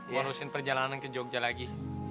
bonusin perjalanan ke jogja lagi